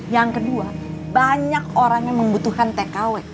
yang kedua banyak orang yang membutuhkan tkw